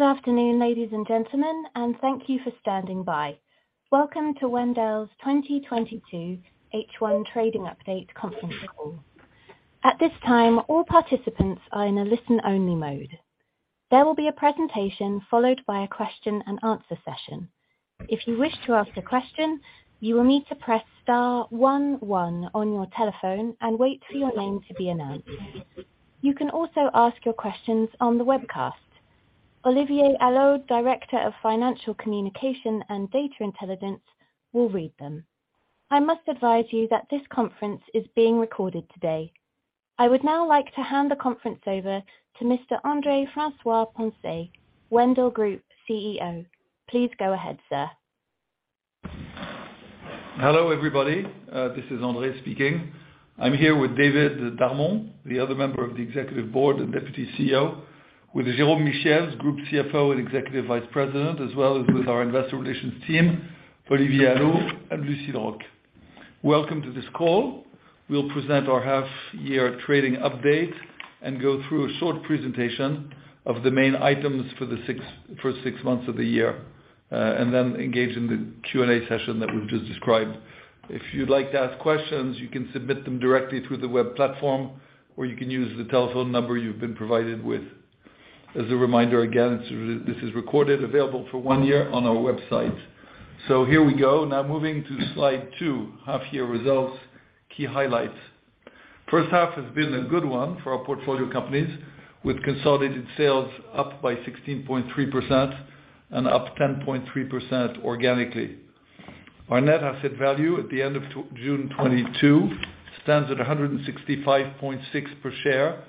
Good afternoon, ladies and gentlemen, and thank you for standing by. Welcome to Wendel's 2022 H1 trading update conference call. At this time, all participants are in a listen-only mode. There will be a presentation followed by a question-and-answer session. If you wish to ask a question, you will need to press star one one on your telephone and wait for your name to be announced. You can also ask your questions on the webcast. Olivier Allot, Director of Financial Communication and Data Intelligence will read them. I must advise you that this conference is being recorded today. I would now like to hand the conference over to Mr. André François-Poncet, Wendel Group CEO. Please go ahead, sir. Hello, everybody. This is André speaking. I'm here with David Darmon, the other member of the executive board and Deputy CEO, with Jérôme Michiels, Group CFO and Executive Vice President, as well as with our investor relations team, Olivier Allot and Lucile Roch. Welcome to this call. We'll present our half year trading update and go through a short presentation of the main items for 6 months of the year, and then engage in the Q&A session that we've just described. If you'd like to ask questions, you can submit them directly through the web platform, or you can use the telephone number you've been provided with. As a reminder, again, this is recorded, available for 1 year on our website. Here we go. Now moving to slide 2, half year results, key highlights. First half has been a good one for our portfolio companies, with consolidated sales up by 16.3% and up 10.3% organically. Our net asset value at the end of June 2022 stands at 165.6 per share,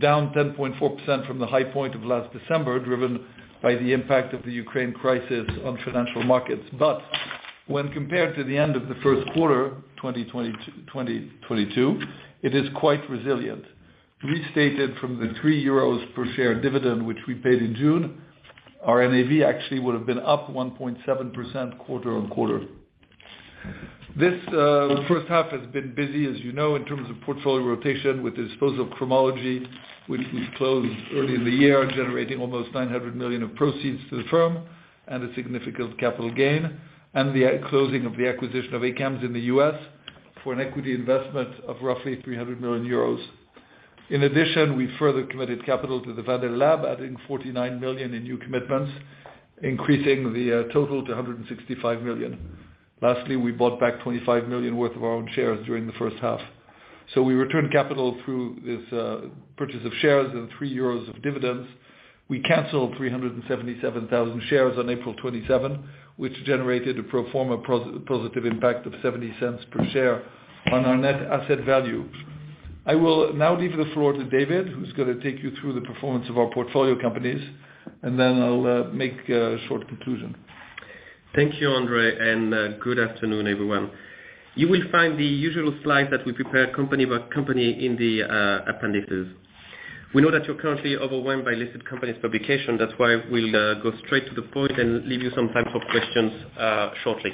down 10.4% from the high point of last December, driven by the impact of the Ukraine crisis on financial markets. When compared to the end of the first quarter, 2022, it is quite resilient. Restated from the 3 euros per share dividend, which we paid in June, our NAV actually would have been up 1.7% quarter-on-quarter. This first half has been busy, as you know, in terms of portfolio rotation, with the disposal of Cromology, which we closed early in the year, generating almost 900 million of proceeds to the firm and a significant capital gain, and the closing of the acquisition of ACAMS in the US for an equity investment of roughly 300 million euros. In addition, we further committed capital to the Wendel Lab, adding 49 million in new commitments, increasing the total to 165 million. Lastly, we bought back 25 million worth of our own shares during the first half. We returned capital through this purchase of shares and 3 euros of dividends. We canceled 377,000 shares on April 27, which generated a pro forma positive impact of 0.70 per share on our net asset value. I will now leave the floor to David, who's gonna take you through the performance of our portfolio companies, and then I'll make a short conclusion. Thank you, André, and good afternoon, everyone. You will find the usual slide that we prepare company by company in the appendices. We know that you're currently overwhelmed by listed companies' publications. That's why we'll go straight to the point and leave you some time for questions shortly.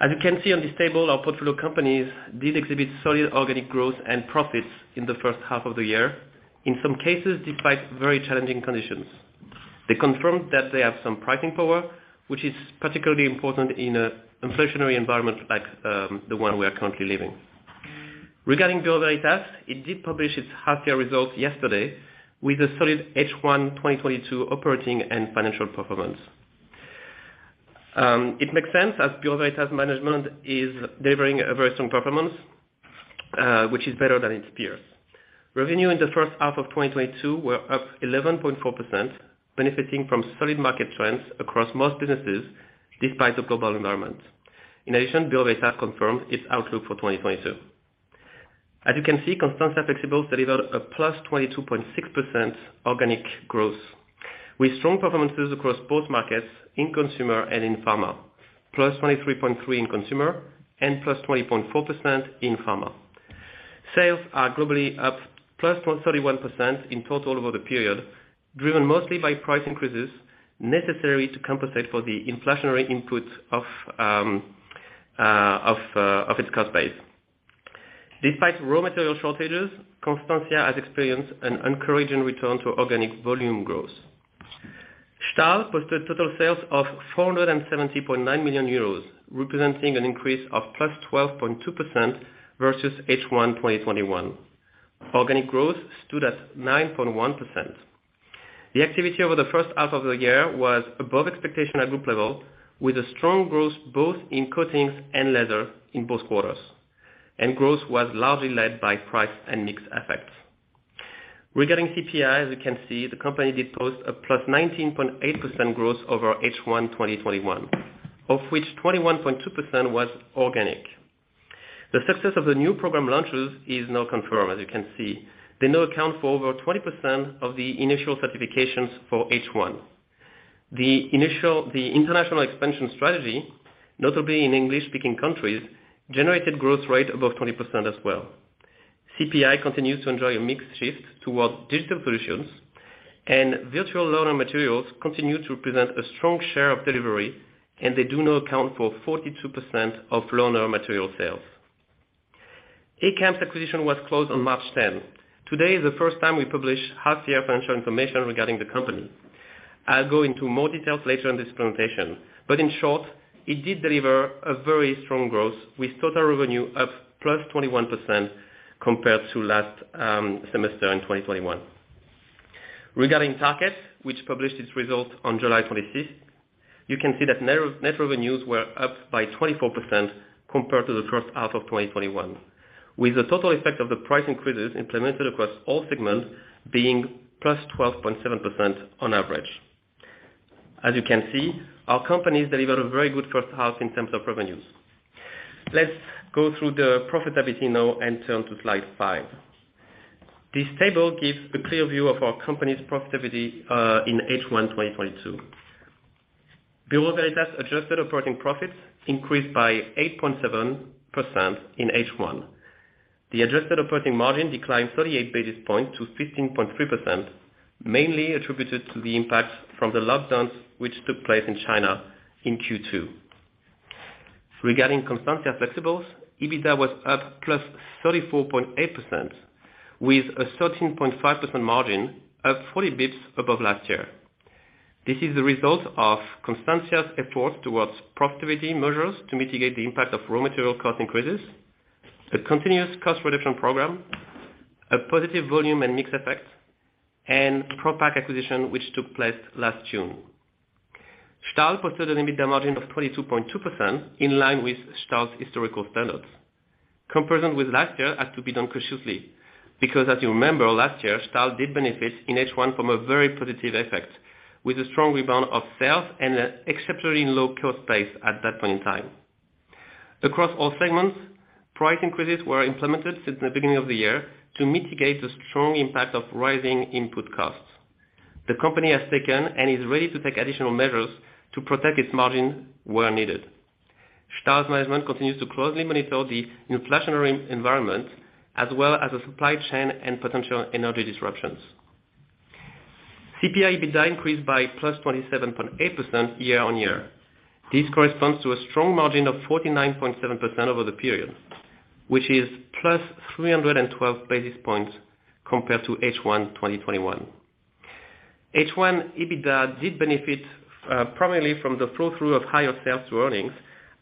As you can see on this table, our portfolio companies did exhibit solid organic growth and profits in the first half of the year. In some cases, despite very challenging conditions. They confirmed that they have some pricing power, which is particularly important in an inflationary environment like the one we are currently living. Regarding Bureau Veritas, it did publish its half year results yesterday with a solid H1 2022 operating and financial performance. It makes sense as Bureau Veritas management is delivering a very strong performance, which is better than its peers. Revenue in the first half of 2022 were up 11.4%, benefiting from solid market trends across most businesses despite the global environment. Bureau Veritas confirmed its outlook for 2022. As you can see, Constantia Flexibles delivered a +22.6% organic growth, with strong performances across both markets in consumer and in pharma, +23.3% in consumer and +20.4% in pharma. Sales are globally up +31% in total over the period, driven mostly by price increases necessary to compensate for the inflationary input of its cost base. Despite raw material shortages, Constantia has experienced an encouraging return to organic volume growth. Stahl posted total sales of 470.9 million euros, representing an increase of +12.2% versus H1 2021. Organic growth stood at 9.1%. The activity over the first half of the year was above expectation at group level, with a strong growth both in coatings and leather in both quarters, and growth was largely led by price and mix effects. Regarding CPI, as you can see, the company did post a +19.8% growth over H1 2021, of which 21.2% was organic. The success of the new program launches is now confirmed, as you can see. They now account for over 20% of the initial certifications for H1. The international expansion strategy, notably in English-speaking countries, generated growth rate above 20% as well. CPI continues to enjoy a mixed shift towards digital solutions and virtual loaner materials continue to represent a strong share of delivery, and they do now account for 42% of loaner material sales. ACAMS acquisition was closed on March tenth. Today is the first time we publish half-year financial information regarding the company. I'll go into more details later in this presentation, but in short, it did deliver a very strong growth with total revenue up +21% compared to last semester in 2021. Regarding Tarkett, which published its results on July 25, you can see that net revenues were up by 24% compared to the first half of 2021, with the total effect of the price increases implemented across all segments being +12.7% on average. As you can see, our companies delivered a very good first half in terms of revenues. Let's go through the profitability now and turn to Slide five. This table gives a clear view of our company's profitability in H1 2022. Bureau Veritas adjusted operating profits increased by 8.7% in H1. The adjusted operating margin declined 38 basis points to 15.3%, mainly attributed to the impact from the lockdowns which took place in China in Q2. Regarding Constantia Flexibles, EBITDA was up +34.8% with a 13.5% margin of 40 basis points above last year. This is the result of Constantia's effort towards profitability measures to mitigate the impact of raw material cost increases, a continuous cost reduction program, a positive volume and mix effect, and Propak acquisition, which took place last June. Stahl posted an EBITDA margin of 22.2%, in line with Stahl's historical standards. Comparison with last year had to be done cautiously, because as you remember, last year, Stahl did benefit in H1 from a very positive effect, with a strong rebound of sales and an exceptionally low cost base at that point in time. Across all segments, price increases were implemented since the beginning of the year to mitigate the strong impact of rising input costs. The company has taken and is ready to take additional measures to protect its margin where needed. Stahl's management continues to closely monitor the inflationary environment as well as the supply chain and potential energy disruptions. CPI EBITDA increased by +27.8% year-on-year. This corresponds to a strong margin of 49.7% over the period, which is plus 312 basis points compared to H1 2021. H1 EBITDA did benefit primarily from the flow through of higher sales to earnings,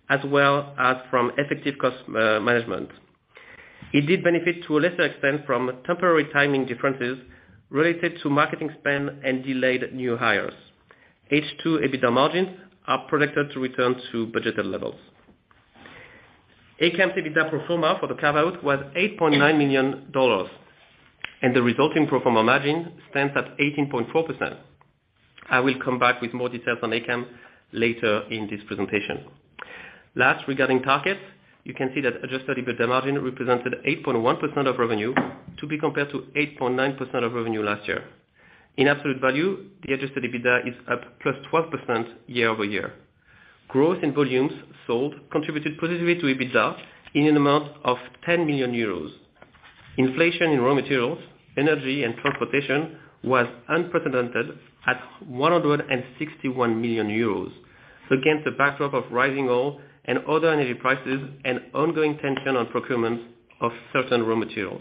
as well as from effective cost management. It did benefit to a lesser extent from temporary timing differences related to marketing spend and delayed new hires. H2 EBITDA margins are projected to return to budgeted levels. ACAMS EBITDA pro forma for the carve-out was $8.9 million, and the resulting pro forma margin stands at 18.4%. I will come back with more details on ACAMS later in this presentation. Last, regarding Tarkett, you can see that adjusted EBITDA margin represented 8.1% of revenue to be compared to 8.9% of revenue last year. In absolute value, the adjusted EBITDA is up +12% year-over-year. Growth in volumes sold contributed positively to EBITDA in an amount of 10 million euros. Inflation in raw materials, energy and transportation was unprecedented at 161 million euros against a backdrop of rising oil and other energy prices and ongoing tension on procurement of certain raw materials.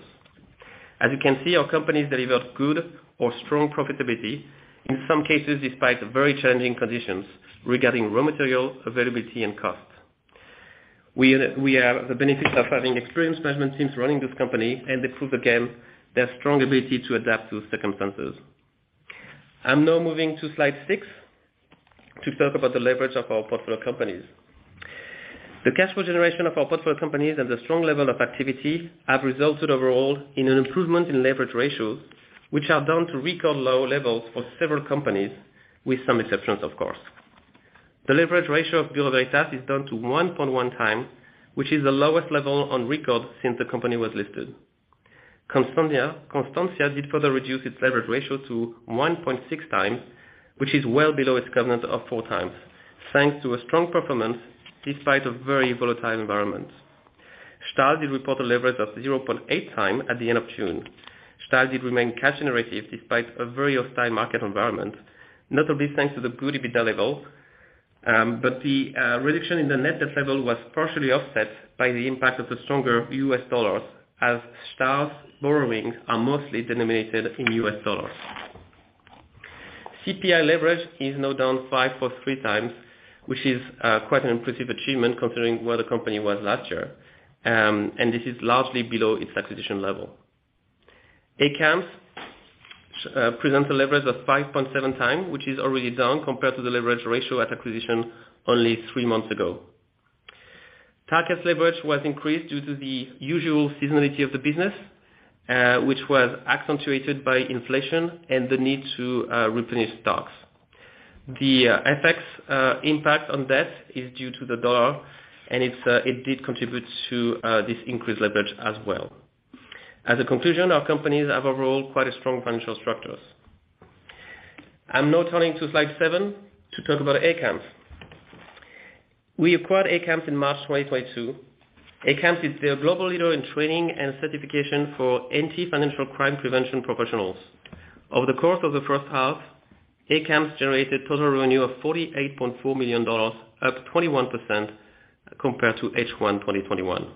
As you can see, our companies delivered good or strong profitability, in some cases despite very challenging conditions regarding raw material availability and cost. We have the benefit of having experienced management teams running this company and they prove again their strong ability to adapt to circumstances. I'm now moving to Slide six to talk about the leverage of our portfolio companies. The cash flow generation of our portfolio companies and the strong level of activity have resulted overall in an improvement in leverage ratios, which are down to record low levels for several companies, with some exceptions, of course. The leverage ratio of Bureau Veritas is down to 1.1x, which is the lowest level on record since the company was listed. Constantia did further reduce its leverage ratio to 1.6x, which is well below its covenant of 4x, thanks to a strong performance despite a very volatile environment. Stahl did report a leverage of 0.8x at the end of June. Stahl did remain cash generative despite a very hostile market environment, not only this thanks to the good EBITDA level, but the reduction in the net debt level was partially offset by the impact of the stronger US dollar as Stahl's borrowings are mostly denominated in US dollars. CPI leverage is now down to 5.3 times, which is quite an impressive achievement considering where the company was last year, and this is largely below its acquisition level. ACAMS presents a leverage of 5.7 times, which is already down compared to the leverage ratio at acquisition only three months ago. Tarkett's leverage was increased due to the usual seasonality of the business, which was accentuated by inflation and the need to replenish stocks. The FX impact on debt is due to the dollar, and it did contribute to this increased leverage as well. As a conclusion, our companies have overall quite a strong financial structures. I'm now turning toSlide seven to talk about ACAMS. We acquired ACAMS in March 2022. ACAMS is the global leader in training and certification for financial crime prevention professionals. Over the course of the first half, ACAMS generated total revenue of $48.4 million, up 21% compared to H1 2021.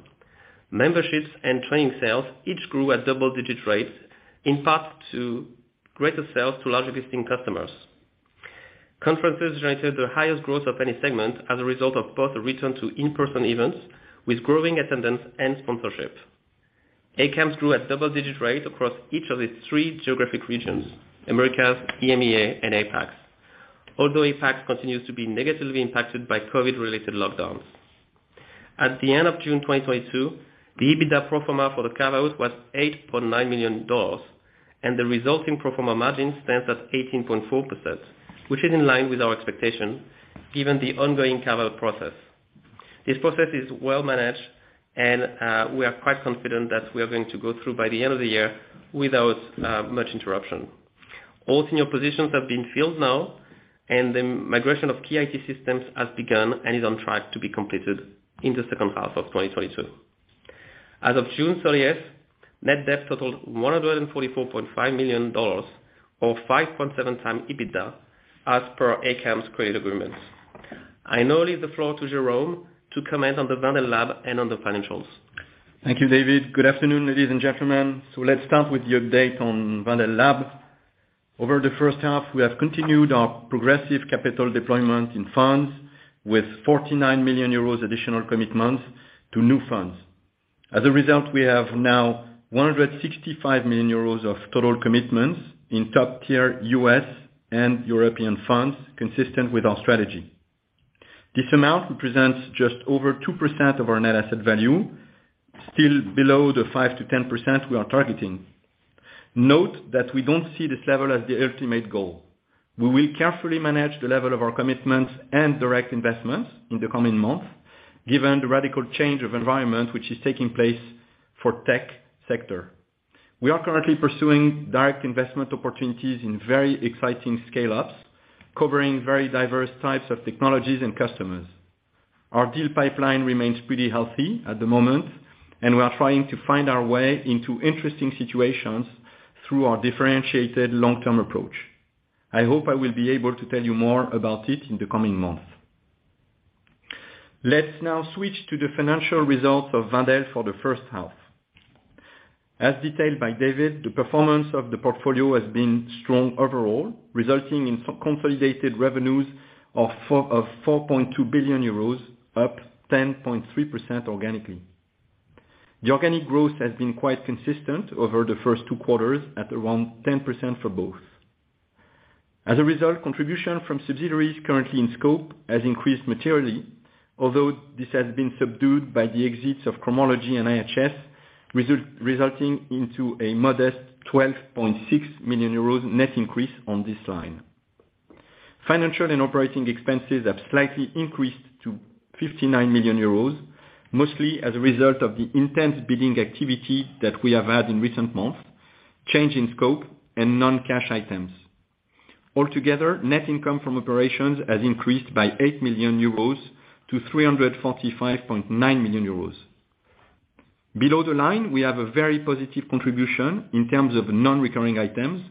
Memberships and training sales each grew at double-digit rates, in part due to greater sales to large existing customers. Conferences generated the highest growth of any segment as a result of both the return to in-person events with growing attendance and sponsorship. ACAMS grew at double-digit rates across each of its three geographic regions, Americas, EMEA, and APAC. Although APAC continues to be negatively impacted by COVID-related lockdowns. At the end of June 2022, the EBITDA pro forma for the carve-out was $8.9 million, and the resulting pro forma margin stands at 18.4%, which is in line with our expectations given the ongoing carve-out process. This process is well managed and we are quite confident that we are going to go through by the end of the year without much interruption. All senior positions have been filled now, and the migration of key IT systems has begun and is on track to be completed in the second half of 2022. As of June 31, net debt totaled $144.5 million, or 5.7x EBITDA, as per ACAMS' credit agreements. I now leave the floor to Jérôme to comment on the Wendel Lab and on the financials. Thank you, David. Good afternoon, ladies and gentlemen. Let's start with the update on Wendel Lab. Over the first half, we have continued our progressive capital deployment in funds with 49 million euros additional commitments to new funds. As a result, we have now 165 million euros of total commitments in top-tier US and European funds consistent with our strategy. This amount represents just over 2% of our net asset value, still below the 5%-10% we are targeting. Note that we don't see this level as the ultimate goal. We will carefully manage the level of our commitments and direct investments in the coming months, given the radical change of environment which is taking place for tech sector. We are currently pursuing direct investment opportunities in very exciting scale-ups, covering very diverse types of technologies and customers. Our deal pipeline remains pretty healthy at the moment, and we are trying to find our way into interesting situations through our differentiated long-term approach. I hope I will be able to tell you more about it in the coming months. Let's now switch to the financial results of Wendel for the first half. As detailed by David, the performance of the portfolio has been strong overall, resulting in scope-consolidated revenues of 4.2 billion euros, up 10.3% organically. The organic growth has been quite consistent over the first two quarters at around 10% for both. As a result, contribution from subsidiaries currently in scope has increased materially, although this has been subdued by the exits of Cromology and IHS, resulting in a modest 12.6 million euros net increase on this line. Financial and operating expenses have slightly increased to 59 million euros, mostly as a result of the intense bidding activity that we have had in recent months, change in scope, and non-cash items. Altogether, net income from operations has increased by 8 million euros to 345.9 million euros. Below the line, we have a very positive contribution in terms of non-recurring items,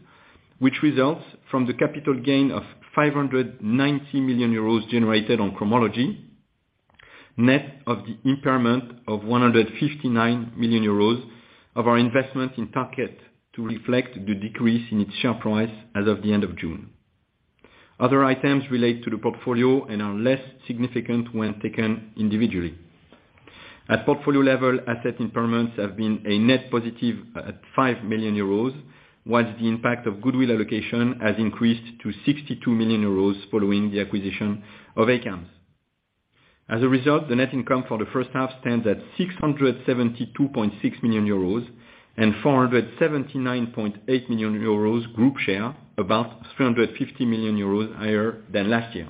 which results from the capital gain of 590 million euros generated on Cromology, net of the impairment of 159 million euros of our investment in Tarkett to reflect the decrease in its share price as of the end of June. Other items relate to the portfolio and are less significant when taken individually. At portfolio level, asset impairments have been a net positive at 5 million euros, while the impact of goodwill allocation has increased to 62 million euros following the acquisition of ACAMS. As a result, the net income for the first half stands at 672.6 million euros and 479.8 million euros group share, about 350 million euros higher than last year.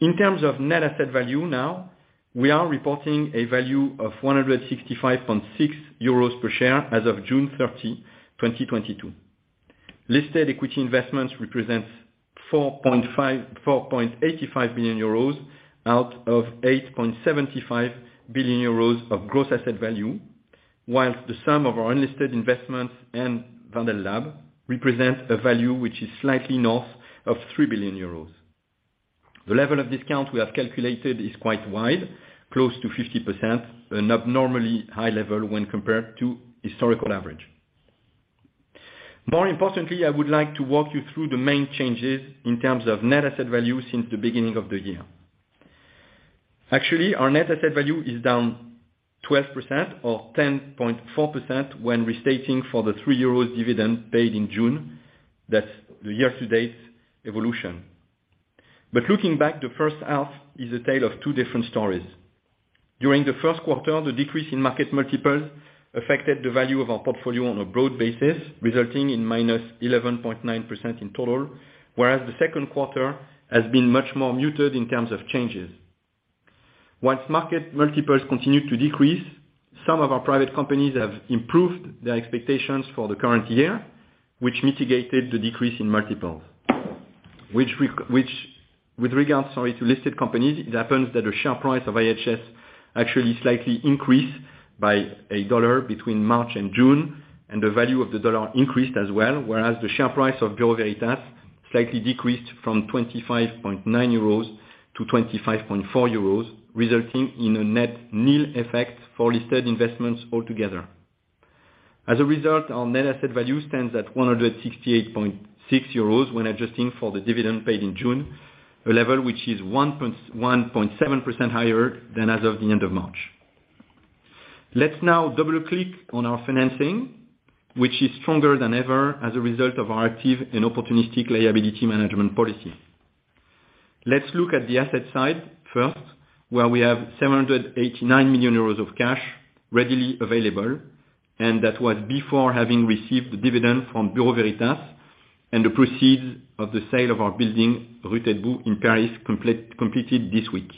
In terms of net asset value now, we are reporting a value of 165.6 euros per share as of June 30, 2022. Listed equity investments represents 4.5-4.85 billion euros out of 8.75 billion euros of gross asset value, while the sum of our unlisted investments and Wendel Lab represent a value which is slightly north of 3 billion euros. The level of discount we have calculated is quite wide, close to 50%, an abnormally high level when compared to historical average. More importantly, I would like to walk you through the main changes in terms of net asset value since the beginning of the year. Actually, our net asset value is down 12% or 10.4% when restating for the 3 euros dividend paid in June. That's the year-to-date evolution. Looking back, the first half is a tale of two different stories. During the first quarter, the decrease in market multiples affected the value of our portfolio on a broad basis, resulting in -11.9% in total, whereas the second quarter has been much more muted in terms of changes. Once market multiples continued to decrease, some of our private companies have improved their expectations for the current year, which mitigated the decrease in multiples. Which, with regards, sorry, to listed companies, it happens that the share price of IHS actually slightly increased by $1 between March and June, and the value of the dollar increased as well, whereas the share price of Bureau Veritas slightly decreased from 25.9 euros to 25.4 euros, resulting in a net nil effect for listed investments altogether. As a result, our net asset value stands at 168.6 euros when adjusting for the dividend paid in June, a level which is 1.7% higher than as of the end of March. Let's now double-click on our financing, which is stronger than ever as a result of our active and opportunistic liability management policy. Let's look at the asset side first, where we have 789 million euros of cash readily available, and that was before having received the dividend from Bureau Veritas and the proceeds of the sale of our building, Rue Taitbout, in Paris completed this week.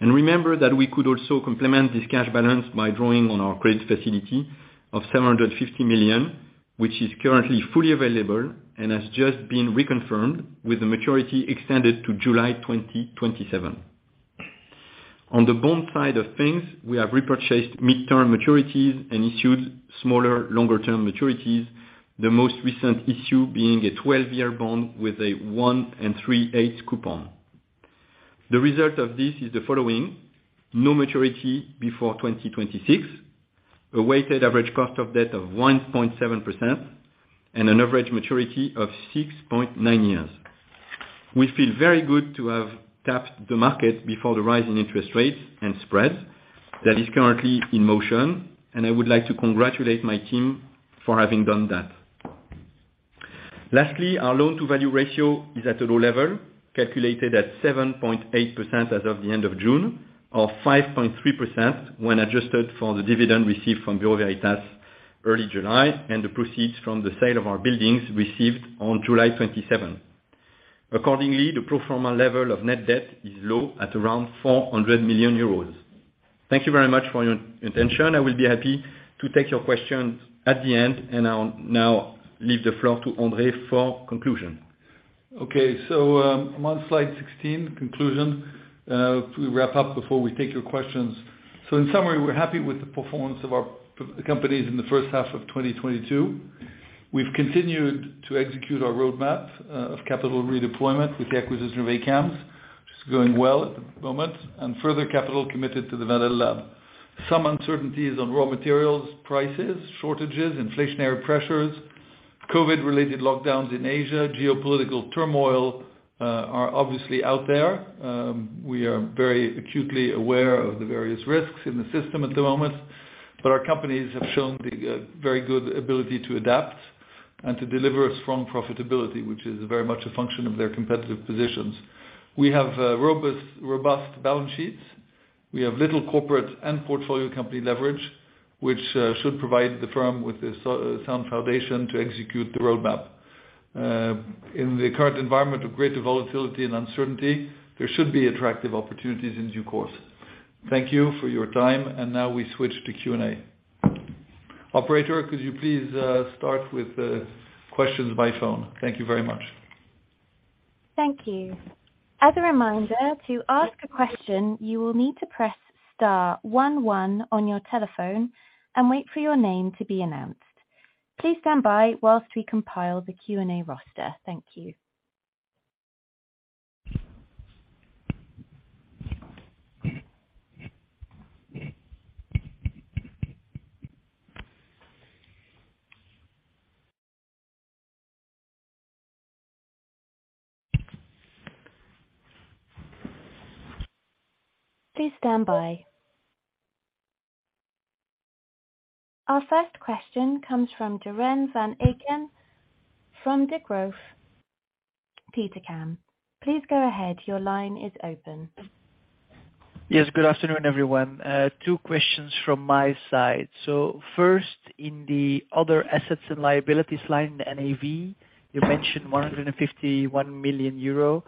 Remember that we could also complement this cash balance by drawing on our credit facility of 750 million, which is currently fully available and has just been reconfirmed with the maturity extended to July 2027. On the bond side of things, we have repurchased mid-term maturities and issued smaller, longer-term maturities, the most recent issue being a 12-year bond with a 1 3/8 coupon. The result of this is the following: no maturity before 2026, a weighted average cost of debt of 1.7%, and an average maturity of 6.9 years. We feel very good to have tapped the market before the rise in interest rates and spreads that is currently in motion, and I would like to congratulate my team for having done that. Lastly, our loan-to-value ratio is at a low level, calculated at 7.8% as of the end of June, or 5.3% when adjusted for the dividend received from Bureau Veritas early July and the proceeds from the sale of our buildings received on July 27. Accordingly, the pro forma level of net debt is low at around 400 million euros. Thank you very much for your attention. I will be happy to take your questions at the end, and I'll now leave the floor to André for conclusion. Okay. I'm on Slide 16, conclusion. To wrap up before we take your questions. In summary, we're happy with the performance of our portfolio companies in the first half of 2022. We've continued to execute our roadmap of capital redeployment with the acquisition of ACAMS, which is going well at the moment, and further capital committed to the Wendel Lab. Some uncertainties on raw materials prices, shortages, inflationary pressures, COVID-related lockdowns in Asia, geopolitical turmoil are obviously out there. We are very acutely aware of the various risks in the system at the moment. Our companies have shown the very good ability to adapt and to deliver a strong profitability, which is very much a function of their competitive positions. We have robust balance sheets. We have little corporate and portfolio company leverage, which should provide the firm with the solid foundation to execute the roadmap. In the current environment of greater volatility and uncertainty, there should be attractive opportunities in due course. Thank you for your time. Now we switch to Q&A. Operator, could you please start with the questions by phone? Thank you very much. Thank you. As a reminder, to ask a question, you will need to press star one one on your telephone and wait for your name to be announced. Please stand by while we compile the Q&A roster. Thank you. Please stand by. Our first question comes from Joren Van Aken from Degroof Petercam. Please go ahead. Your line is open. Yes, good afternoon, everyone. Two questions from my side. First, in the other assets and liabilities line, the NAV, you mentioned 151 million euro,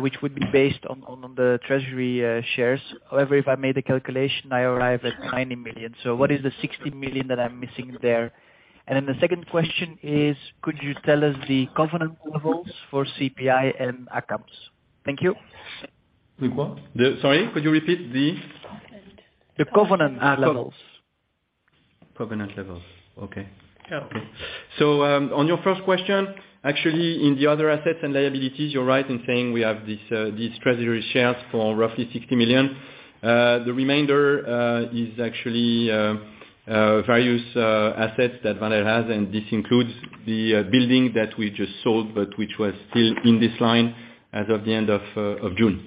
which would be based on the treasury shares. However, if I made a calculation, I arrive at 90 million. What is the 60 million that I'm missing there? The second question is, could you tell us the covenant levels for CPI and ACAMS? Thank you. The what? Sorry, could you repeat? The covenant levels. Covenant. Covenant levels. Okay. Yeah. On your first question, actually in the other assets and liabilities, you're right in saying we have these treasury shares for roughly 60 million. The remainder is actually various assets that Wendel has, and this includes the building that we just sold, but which was still in this line as of the end of June.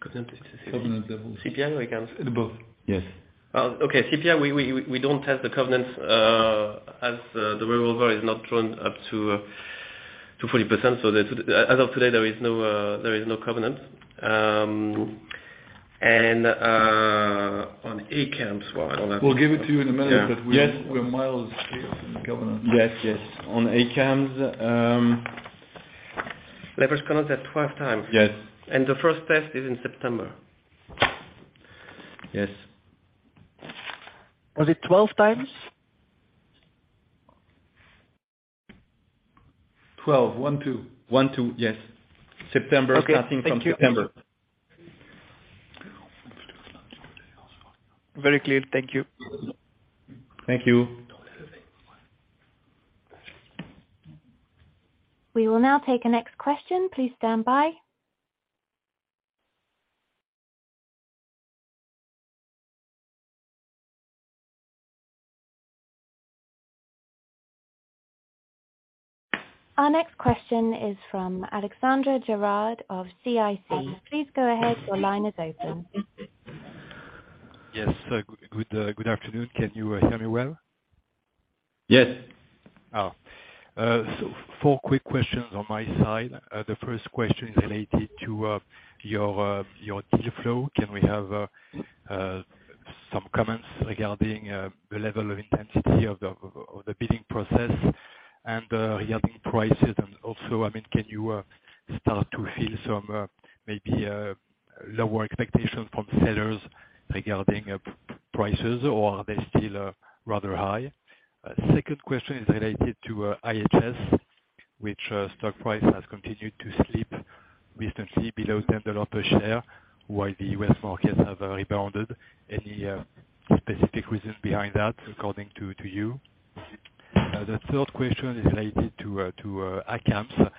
Covenant is. Covenant levels. CPI or ACAMS? Both. Yes. Okay. CPI, we don't have the covenants, as the revolver is not drawn up to 40%. As of today, there is no covenant. On ACAMS. Well, hold on. We'll give it to you in a minute. Yeah. Yes. We're miles here from the covenant. Yes, yes. On ACAMS... Leverage covenant at 12x. Yes. The first test is in September. Yes. Was it 12 times? 12. 1, 2. 1, 2. Yes. September. Okay. Starting from September. Very clear. Thank you. Thank you. We will now take a next question. Please stand by. Our next question is from Alexandre Gérard of CIC. Please go ahead. Your line is open. Yes. Good, good afternoon. Can you hear me well? Yes. Four quick questions on my side. The first question is related to your deal flow. Can we have some comments regarding the level of intensity of the bidding process and regarding prices? Also, I mean, can you start to feel some maybe lower expectations from sellers regarding prices, or are they still rather high? Second question is related to IHS, which stock price has continued to slip recently below $10 per share, while the U.S. markets have rebounded. Any specific reasons behind that, according to you? The third question is related to ACAMS.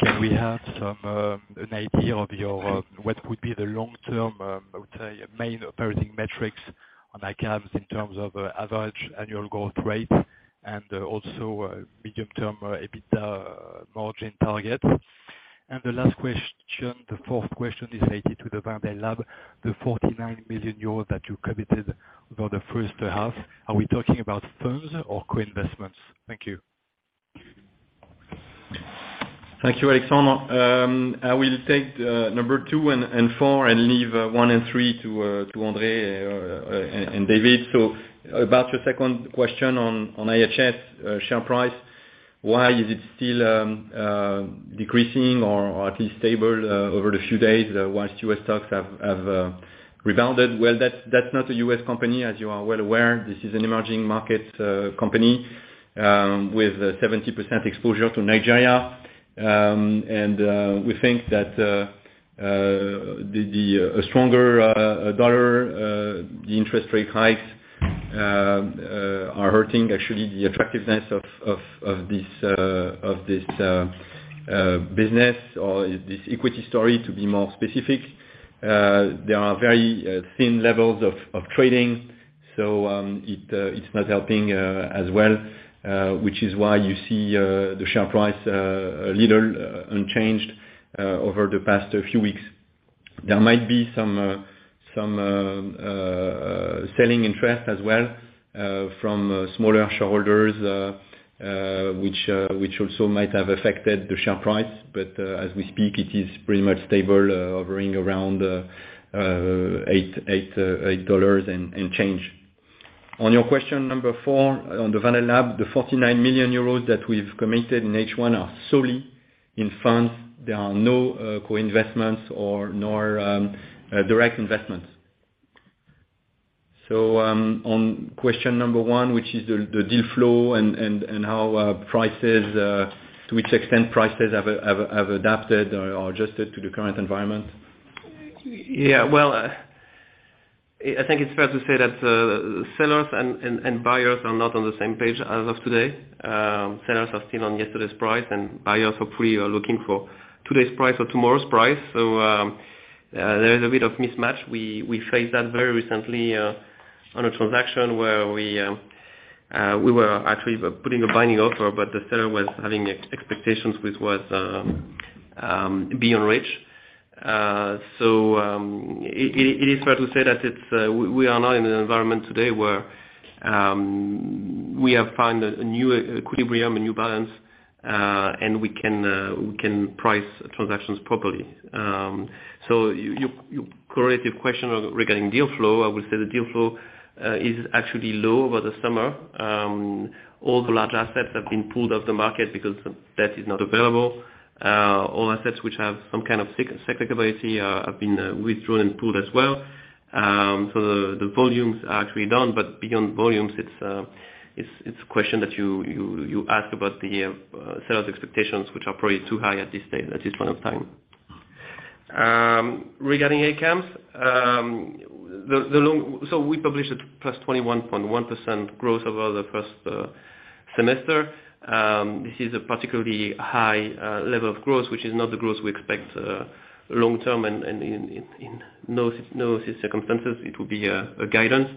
Can we have some idea of what would be the long-term, I would say, main operating metrics on ACAMS in terms of average annual growth rate and also medium-term EBITDA margin target? The last question, the fourth question is related to the Wendel Lab, the 49 million euros that you committed for the first half. Are we talking about funds or co-investments? Thank you. Thank you, Alexandre. I will take number 2 and 4 and leave 1 and 3 to André and David. About your second question on IHS share price, why is it still decreasing or at least stable over the few days while U.S. stocks have rebounded? Well, that's not a U.S. company, as you are well aware. This is an emerging market company with a 70% exposure to Nigeria. We think that a stronger dollar, the interest rate hikes are hurting actually the attractiveness of this business or this equity story, to be more specific. There are very thin levels of trading, so it's not helping as well, which is why you see the share price a little unchanged over the past few weeks. There might be some selling interest as well from smaller shareholders, which also might have affected the share price. As we speak, it is pretty much stable, hovering around 8 dollars and change. On your question number 4, on the Wendel Lab, the 49 million euros that we've committed in H1 are solely in funds. There are no co-investments nor direct investments. on question number one, which is the deal flow and how prices to which extent prices have adapted or adjusted to the current environment. Yeah. Well, I think it's fair to say that sellers and buyers are not on the same page as of today. Sellers are still on yesterday's price, and buyers hopefully are looking for today's price or tomorrow's price. There is a bit of mismatch. We faced that very recently on a transaction where we were actually putting a binding offer, but the seller was having expectations which was beyond reach. It is fair to say that we are now in an environment today where we have found a new equilibrium, a new balance, and we can price transactions properly. Your question regarding deal flow, I would say the deal flow is actually low over the summer. All the large assets have been pulled off the market because debt is not available. All assets which have some kind of sec ability have been withdrawn and pulled as well. The volumes are actually down, but beyond volumes, it's a question that you, you ask about the sales expectations, which are probably too high at this stage, at this point in time. Regarding ACAMS, we published +21.1% growth over the first semester. This is a particularly high level of growth, which is not the growth we expect long term, and in no circumstances it will be a guidance.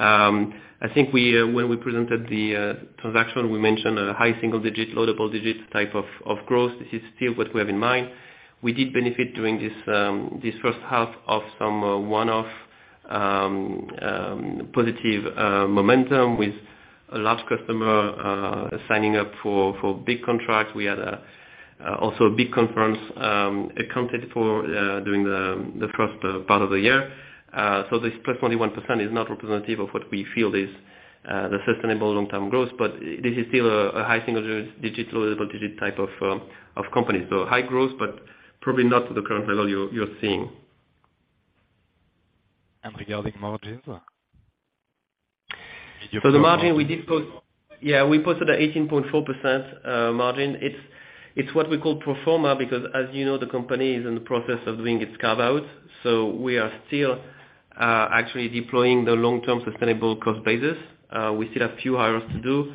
I think we, when we presented the, transaction, we mentioned a high single digit, low double digit type of growth. This is still what we have in mind. We did benefit during this first half of some one-off positive momentum with a large customer signing up for big contracts. We had also big conference accounted for during the first part of the year. This plus 21% is not representative of what we feel is The sustainable long-term growth, but this is still a high single-digit, low double-digit type of company. High growth, but probably not to the current level you're seeing. Regarding margins? We posted 18.4% margin. It's what we call pro forma because as you know, the company is in the process of doing its carve-out. We are still actually deploying the long-term sustainable cost basis. We still have a few hires to do.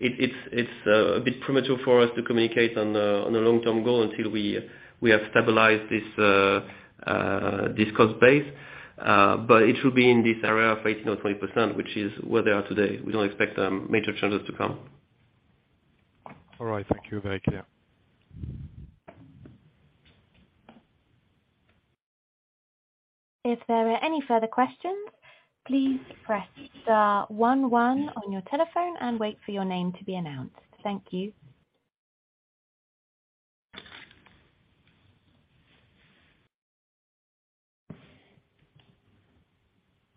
It's a bit premature for us to communicate on the long-term goal until we have stabilized this cost base. It should be in this area of 18%-20%, which is where they are today. We don't expect major changes to come. All right. Thank you. Very clear. If there are any further questions, please press star one one on your telephone and wait for your name to be announced. Thank you.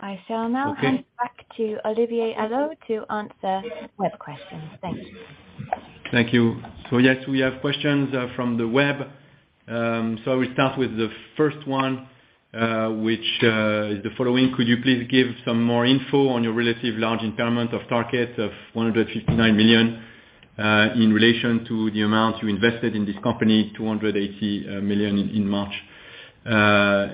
I shall now. Okay. Hand back to Olivier Allot to answer web questions. Thank you. Thank you. Yes, we have questions from the web. I will start with the first one, which is the following: Could you please give some more info on your relatively large impairment of Tarkett of 159 million in relation to the amount you invested in this company, 280 million in March? I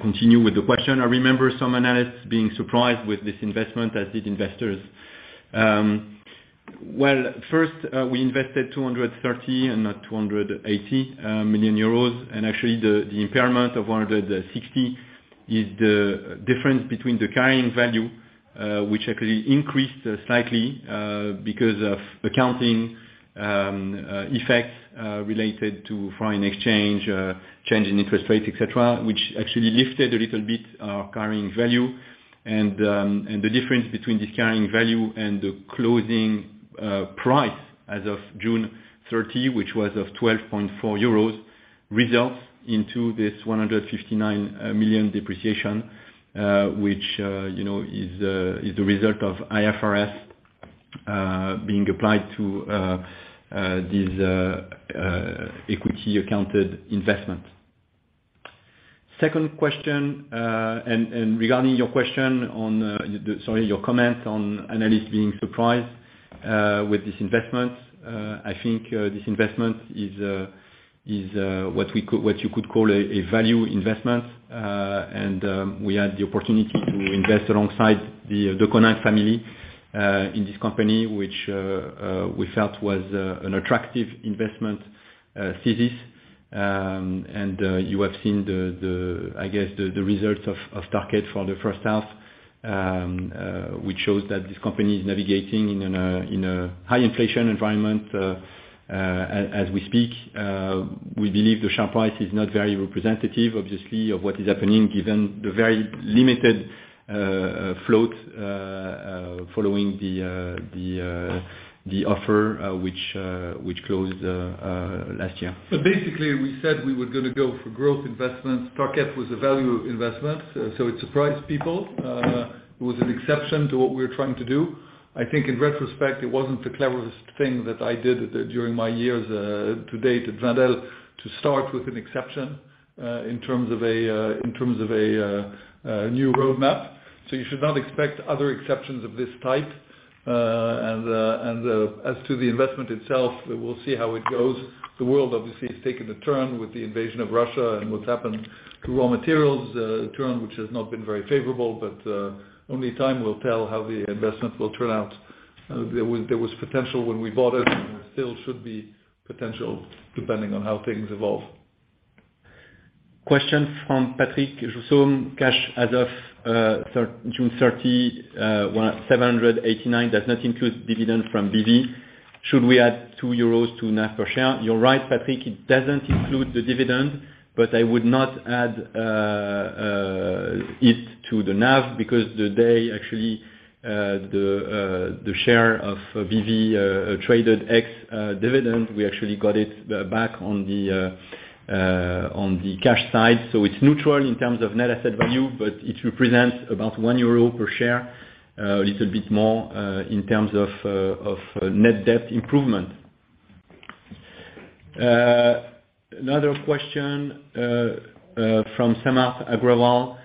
continue with the question. I remember some analysts being surprised with this investment, as did investors. Well, first, we invested 230 and not 280 million euros. Actually, the impairment of 160 is the difference between the carrying value, which actually increased slightly because of accounting effects related to foreign exchange change in interest rates, et cetera, which actually lifted a little bit our carrying value. The difference between this carrying value and the closing price as of June 30, which was of 12.4 euros, results into this 159 million depreciation, which you know is the result of IFRS being applied to this equity accounted investment. Second question, and regarding your question on the... Sorry, your comments on analysts being surprised with this investment, I think this investment is what you could call a value investment. We had the opportunity to invest alongside the De Coninck family in this company, which we felt was an attractive investment thesis. You have seen the, I guess, the results of Tarkett for the first half, which shows that this company is navigating in a high inflation environment as we speak. We believe the share price is not very representative, obviously, of what is happening given the very limited float following the offer, which closed last year. Basically, we said we were gonna go for growth investments. Tarkett was a value investment, so it surprised people. It was an exception to what we were trying to do. I think in retrospect, it wasn't the cleverest thing that I did during my years to date at Wendel to start with an exception in terms of a new roadmap. You should not expect other exceptions of this type. And as to the investment itself, we'll see how it goes. The world obviously has taken a turn with the invasion of Russia and what's happened to raw materials, a turn which has not been very favorable. Only time will tell how the investment will turn out. There was potential when we bought it, and there still should be potential depending on how things evolve. Question from Patrick Jussum. Cash as of June 30, 789 does not include dividend from BV. Should we add 2 euros to NAV per share? You're right, Patrick. It doesn't include the dividend, but I would not add it to the NAV because the day actually the share of BV traded ex dividend, we actually got it back on the cash side. So it's neutral in terms of net asset value, but it represents about 1 euro per share, a little bit more in terms of net debt improvement. Another question from Samarth Agrawal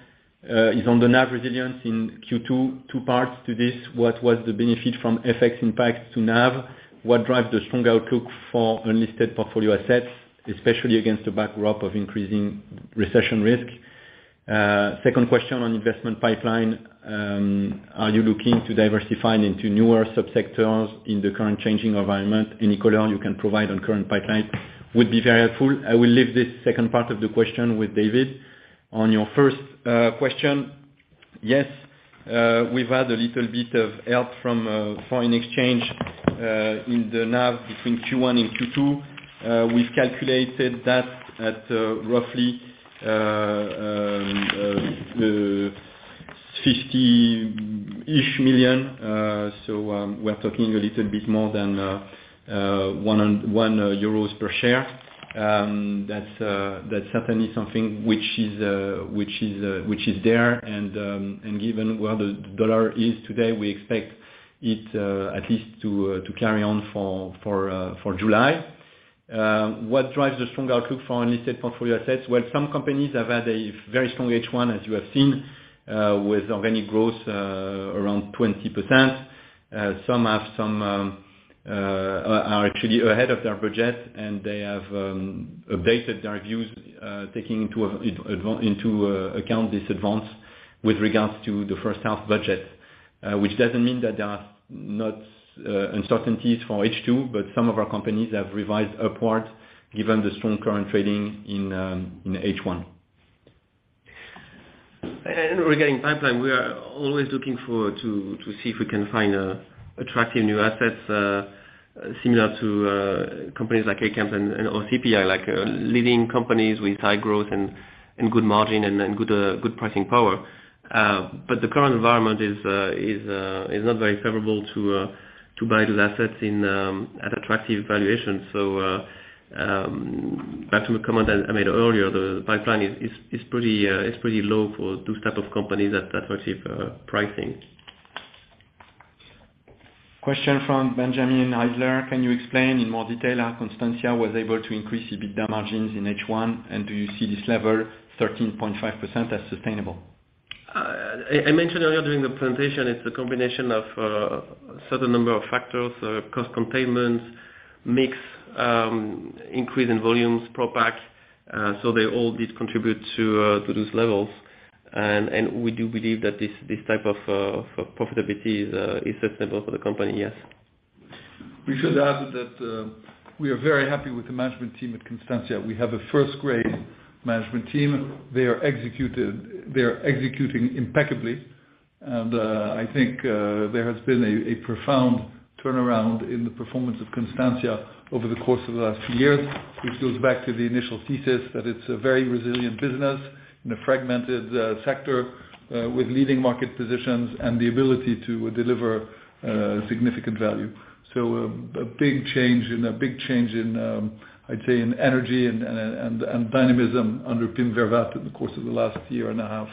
is on the NAV resilience in Q2. 2 parts to this. What was the benefit from FX impact to NAV? What drives the strong outlook for unlisted portfolio assets, especially against the backdrop of increasing recession risk? Second question on investment pipeline, are you looking to diversify into newer subsectors in the current changing environment? Any color you can provide on current pipeline would be very helpful. I will leave this second part of the question with David. On your first question, yes, we've had a little bit of help from foreign exchange in the NAV between Q1 and Q2. We've calculated that at roughly 50 million. So, we're talking a little bit more than 101 euros per share. That's certainly something which is there. Given where the US dollar is today, we expect it at least to carry on for July. What drives the strong outlook for unlisted portfolio assets? Well, some companies have had a very strong H1, as you have seen, with organic growth around 20%. Some are actually ahead of their budget, and they have updated their views, taking into account this advance with regards to the first half budget. Which doesn't mean that there are not uncertainties for H2, but some of our companies have revised upward given the strong current trading in H1. Regarding pipeline, we are always looking forward to see if we can find attractive new assets similar to companies like ACAMS or CPI, like leading companies with high growth and good margin and then good pricing power. The current environment is not very favorable to buy those assets in at attractive valuation. Back to a comment that I made earlier, the pipeline is pretty low for those type of companies at reasonable pricing. Question from Benjamin Eisler: Can you explain in more detail how Constantia was able to increase EBITDA margins in H1 and do you see this level 13.5% as sustainable? I mentioned earlier during the presentation, it's the combination of certain number of factors, cost containments, mix, increase in volumes, Propak, so they all did contribute to those levels. We do believe that this type of profitability is sustainable for the company, yes. We should add that, we are very happy with the management team at Constantia. We have a first-grade management team. They are executing impeccably. I think there has been a profound turnaround in the performance of Constantia over the course of the last few years, which goes back to the initial thesis that it's a very resilient business in a fragmented sector with leading market positions and the ability to deliver significant value. A big change in, I'd say, in energy and dynamism under Pim Vervaat in the course of the last year and a half.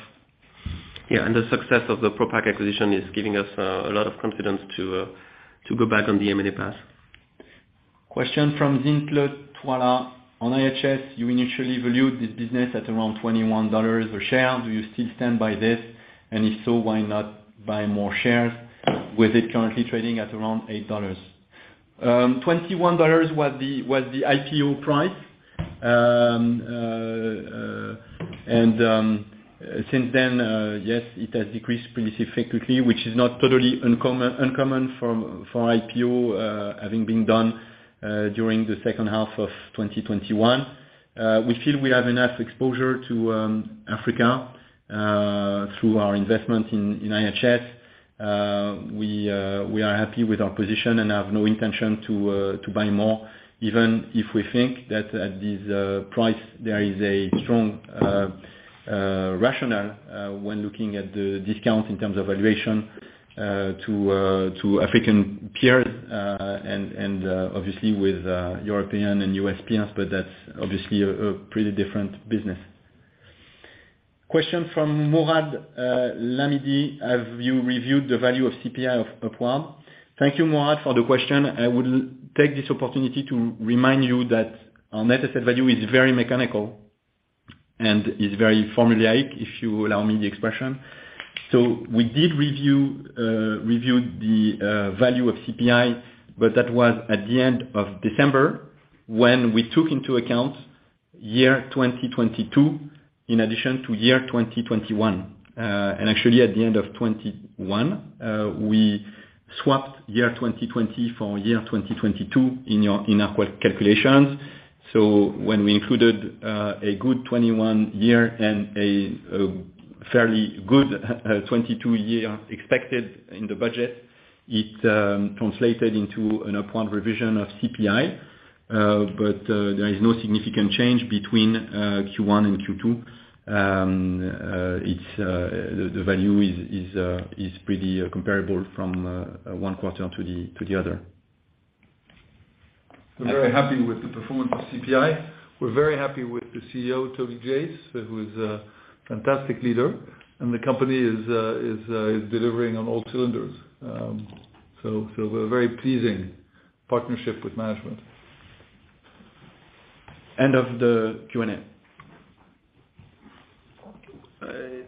Yeah, the success of the Propak acquisition is giving us a lot of confidence to go back on the M&A path. Question from Zintle Twala: On IHS, you initially valued this business at around $21 a share. Do you still stand by this? And if so, why not buy more shares with it currently trading at around $8? $21 was the IPO price. Since then, yes, it has decreased pretty significantly, which is not totally uncommon for IPO having been done during the second half of 2021. We feel we have enough exposure to Africa through our investment in IHS. We are happy with our position and have no intention to buy more, even if we think that at this price, there is a strong rationale when looking at the discount in terms of valuation to African peers, and obviously with European and US peers, but that's obviously a pretty different business. Question from Morad Lmidy: Have you reviewed the value of CPI upward? Thank you, Morad, for the question. I would take this opportunity to remind you that our net asset value is very mechanical and is very formulaic, if you allow me the expression. We did review the value of CPI, but that was at the end of December when we took into account year 2022 in addition to year 2021. Actually, at the end of 2021, we swapped year 2020 for year 2022 in our calculations. When we included a good 2021 year and a fairly good 2022 year expected in the budget, it translated into an upward revision of CPI. There is no significant change between Q1 and Q2. It's the value is pretty comparable from one quarter to the other. We're very happy with the performance of CPI. We're very happy with the CEO, Tony Jace, who is a fantastic leader, and the company is firing on all cylinders. We're very pleased with the partnership with management. End of the Q&A.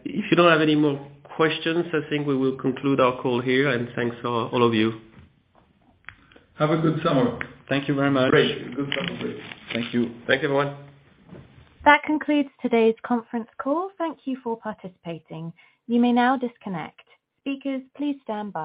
If you don't have any more questions, I think we will conclude our call here. Thanks to all of you. Have a good summer. Thank you very much. Great. Good summer break. Thank you. Thank you, everyone. That concludes today's conference call. Thank you for participating. You may now disconnect. Speakers, please stand by.